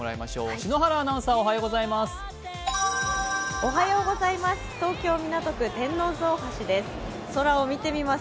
篠原アナウンサーおはようございます。